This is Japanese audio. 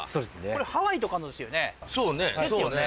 これハワイとかのですよね。